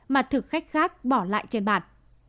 mà thực khách khác bỏ lại trên bàn